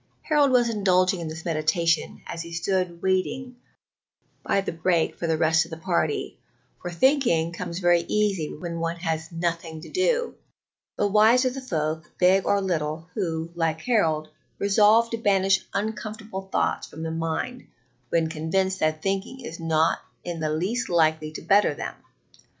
Harold was indulging in this meditation as he stood waiting by the break for the rest of the party, for thinking comes very easy when one has nothing to do; but wise are the folk, big or little, who, like Harold, resolve to banish uncomfortable thoughts from the mind when convinced that thinking is not in the least likely to better them.